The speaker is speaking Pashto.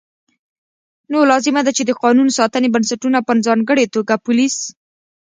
نو لازمه ده چې د قانون ساتنې بنسټونه په ځانګړې توګه پولیس